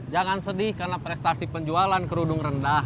jangan sedih karena prestasi penjualan kerudung rendah